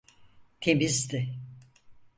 Temizdi.